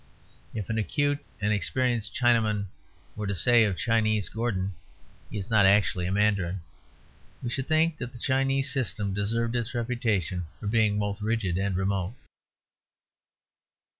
If an acute and experienced Chinaman were to say of Chinese Gordon, "He is not actually a Mandarin," we should think that the Chinese system deserved its reputation for being both rigid and remote.